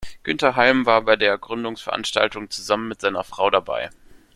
Günter Halm war bei der Gründungsveranstaltung zusammen mit seiner Frau dabei.